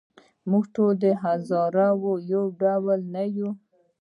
موږ ټول هزاره یو ډول نه یوو.